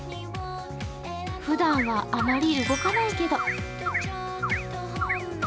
ふだんはあまり動かないけど。